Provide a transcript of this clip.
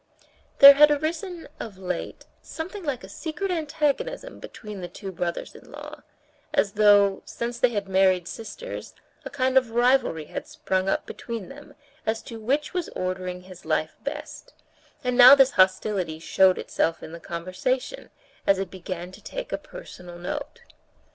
There had arisen of late something like a secret antagonism between the two brothers in law; as though, since they had married sisters, a kind of rivalry had sprung up between them as to which was ordering his life best, and now this hostility showed itself in the conversation, as it began to take a personal note.